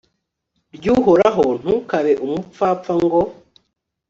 ry'uhoraho, ntukabe umupfapfa ngo